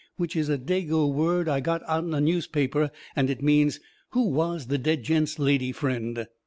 Which is a Dago word I got out'n a newspaper and it means: "Who was the dead gent's lady friend?"